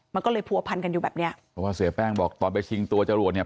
มันก็เลยผัวพันกันอยู่แบบเนี้ยเพราะว่าเสียแป้งบอกตอนไปชิงตัวจรวดเนี่ย